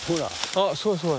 あすごいすごい。